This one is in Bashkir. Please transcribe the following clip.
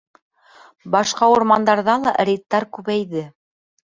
Башҡа урмандарҙа ла рейдтар күбәйҙе.